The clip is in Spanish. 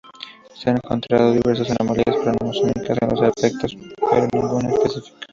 Se han encontrado diversas anomalías cromosómicas en los afectados, pero ninguna específica.